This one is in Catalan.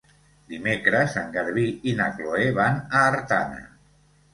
Dimecres en Garbí i na Chloé van a Artana.